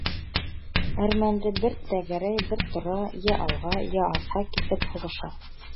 Әрмәнде бер тәгәрәй, бер тора, йә алға. йә артҡа китеп һуғыша.